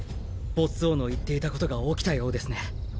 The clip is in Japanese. ボッス王の言っていたことが起きたようですね。